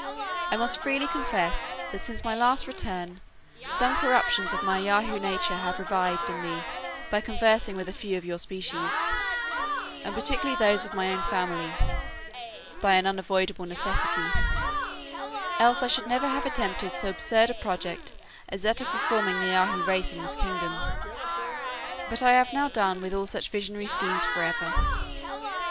I must freely confess, that since my last return, some corruptions of my Yahoo nature have revived in me by conversing with a few of your species, and particularly those of my own family, by an unavoidable necessity; else I should never have attempted so absurd a project as that of reforming the Yahoo race in this kingdom; but I have now done with all such visionary schemes for ever.